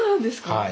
はい。